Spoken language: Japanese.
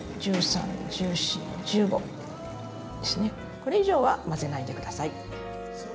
これ以上は混ぜないで下さい。